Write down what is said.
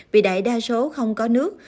vì đại đa số không có nước